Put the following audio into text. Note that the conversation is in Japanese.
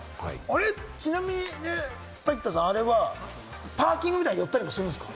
ちなみに瀧田さん、パーキングに寄ったりもするんですか？